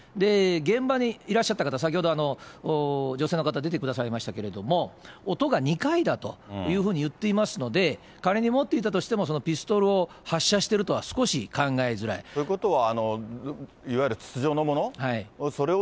現場にいらっしゃった方、先ほど女性の方、出てくださいましたけれども、音が２回だというふうに言っていますので、仮に持っていたとしても、ピストルを発射してるとは少し考えづらい。ということは、いわゆる筒状のもの？